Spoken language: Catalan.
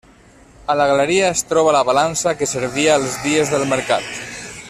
A la galeria es troba la balança que servia els dies del mercat.